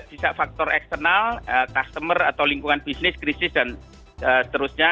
bisa faktor eksternal customer atau lingkungan bisnis krisis dan seterusnya